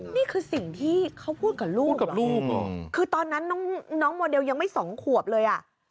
นี่คือสิ่งที่เขาพูดกับลูกพูดกับลูกคือตอนนั้นน้องโมเดลยังไม่สองขวบเลยอ่ะ